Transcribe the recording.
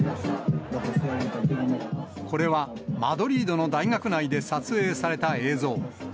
これは、マドリードの大学内で撮影された映像。